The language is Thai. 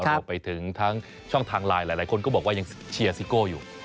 รวมไปถึงทั้งช่องทางไลน์หลายคนก็บอกว่ายังเชียร์ซิโก้อยู่